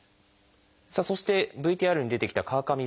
そしてＶＴＲに出てきた川上さん。